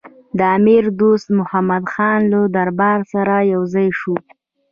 د امیر دوست محمدخان له دربار سره یو ځای شو.